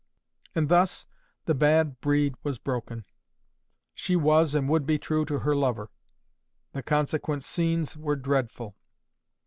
And thus the bad breed was broken. She was and would be true to her lover. The consequent SCENES were dreadful.